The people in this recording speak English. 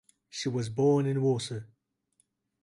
She was born in Warsaw.